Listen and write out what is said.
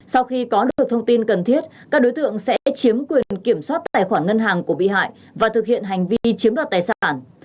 sau khi có được thông tin cần thiết các đối tượng sẽ chiếm quyền kiểm soát tài khoản ngân hàng của bị hại và thực hiện hành vi chiếm đoạt tài sản